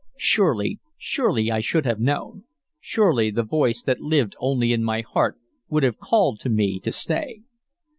Surely, surely I should have known; surely the voice that lived only in my heart would have called to me to stay.